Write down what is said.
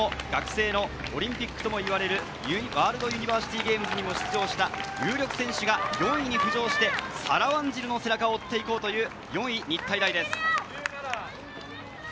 こちらも学生のオリンピックとも言われるワールドユニバーシティゲームズにも出場した有力選手が４位に浮上して、サラ・ワンジルの姿を追っていこうという４位・日体大です。